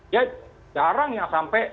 ya jarang yang sampai